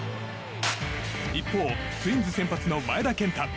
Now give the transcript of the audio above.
一方、ツインズ先発の前田健太。